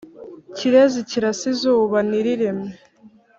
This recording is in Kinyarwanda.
Kirezi kirasa izuba ntiriime